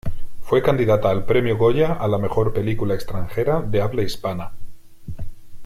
Fue candidata al Premio Goya a la mejor película extranjera de habla hispana.